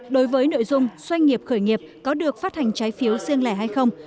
đối với nội dung doanh nghiệp khởi nghiệp có được phát hành trái phiếu riêng lẻ hay không